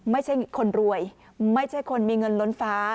ไม่ใช่คนรวยไม่ใช่คนมีเงินล้นฟ้า